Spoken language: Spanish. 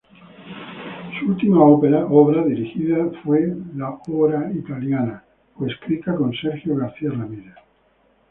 Su última obra dirigida fue "L´Ora Italiana", coescrita con Sergio García-Ramírez.